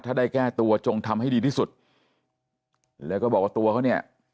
ถ้าได้แก้ตัวจงทำให้ดีที่สุดแล้วก็บอกว่าตัวเขาเนี่ย